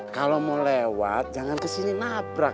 kalau mau lewat jangan kesini nabrak